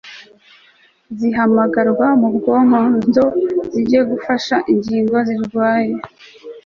zihamagarwa nubwonko nzo zijye gufasha ingingo zirwaye